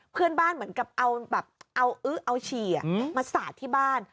เหมือนกับเอาแบบเอาอื้อเอาฉี่มาสาดที่บ้าน